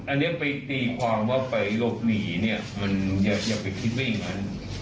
อันนี้ไปตีความว่าไปลบหนีเนี่ยมันอย่าไปคิดว่าอย่างนั้น